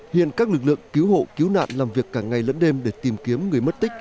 hiện các lực lượng cứu hộ cứu nạn làm việc cả ngày lẫn đêm để tìm kiếm người mất tích